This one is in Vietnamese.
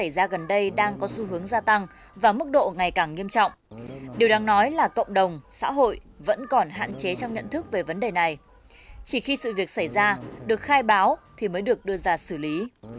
điều này đang có xu hướng gia tăng và mức độ ngày càng nghiêm trọng điều đang nói là cộng đồng xã hội vẫn còn hạn chế trong nhận thức về vấn đề này chỉ khi sự việc xảy ra được khai báo thì mới được đưa ra xử lý